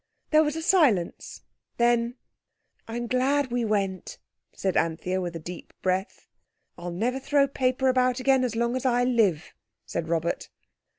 There was a silence. Then— "I'm glad we went," said Anthea, with a deep breath. "I'll never throw paper about again as long as I live," said Robert.